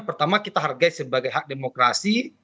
pertama kita hargai sebagai hak demokrasi